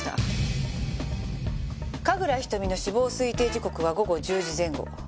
神楽瞳の死亡推定時刻は午後１０時前後。